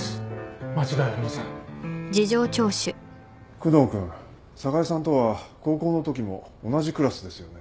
久能君寒河江さんとは高校のときも同じクラスですよね。